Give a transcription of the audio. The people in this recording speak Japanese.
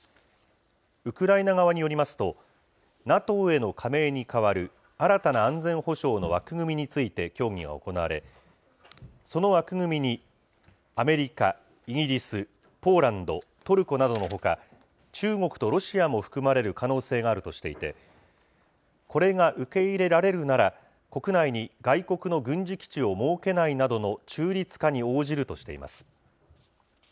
ウクライナ側によりますと、ＮＡＴＯへの加盟に代わる新たな安全保障の枠組みについて協議が行われ、その枠組みにアメリカ、イギリス、ポーランド、トルコなどのほか、中国とロシアも含まれる可能性があるとしていて、これが受け入れられるなら、国内に外国の軍事基地を設けないなどの中立化に応じるとしています。